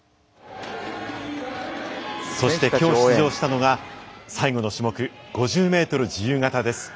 そして、きょう出場したのが最後の種目５０ｍ自由形です。